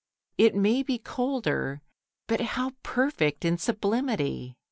It may be colder, but how perfect in sublimity!